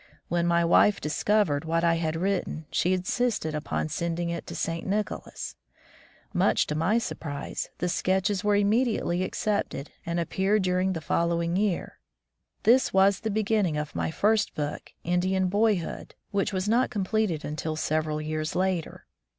When my wife discovered what I had written, she insisted upon send ing it to St. Nicholas. Much to my surprise, the sketches were immediately accepted and appeared during the following year. This was the beginning of my first book, "Indian Boyhood," which was not completed until several years later.